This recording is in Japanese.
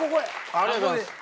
ありがとうございます。